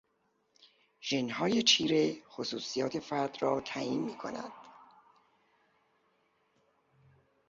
ژنهای چیره خصوصیات فرد را تعیین میکند.